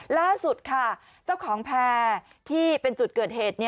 ล่าสุดค่ะเจ้าของแพร่ที่เป็นจุดเกิดเหตุ